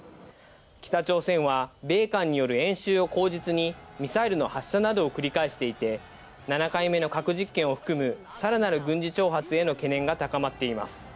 北朝鮮は、米韓による演習を口実に、ミサイルの発射などを繰り返していて、７回目の核実験を含む、さらなる軍事挑発への懸念が高まっています。